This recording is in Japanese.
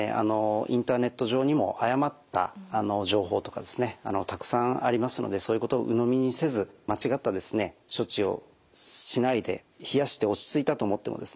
インターネット上にも誤った情報とかですねたくさんありますのでそういうことをうのみにせず間違った処置をしないで冷やして落ち着いたと思ってもですね